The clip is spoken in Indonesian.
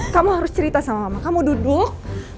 kamu harus cerita sama mama kamu duduk